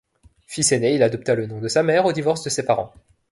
Fils aîné, il adopta le nom de sa mère au divorce de ses parents.